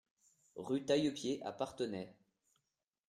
Rue Taillepied à Parthenay